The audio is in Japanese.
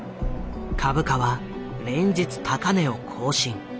株価は連日高値を更新。